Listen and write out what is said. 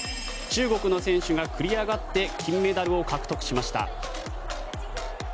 中国の選手が繰り上がって金メダルを獲得しました。